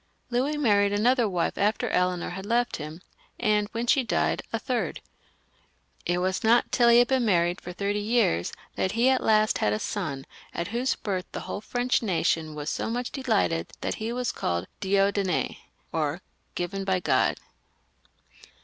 Louis married another wife after Eleanor had left him, and when she died, a third. It was not till he had been married for thirty years that he at last had a son, at whose birth the whole French nation was so much delighted that he was called Dieudonn^ or, given by God.